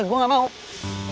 gak gue gak mau